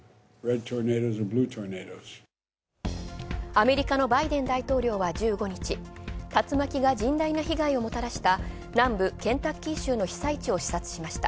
アメリカのバイデン大統領は１５日、竜巻が甚大な被害をもたらした南部ケンタッキー州の被災地を視察しました。